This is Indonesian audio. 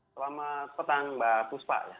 selamat petang mbak puspa